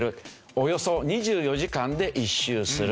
およそ２４時間で１周する。